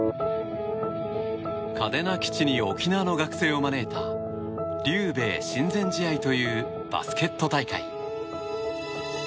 嘉手納基地に沖縄の学生を招いた琉米親善試合というバスケット大会。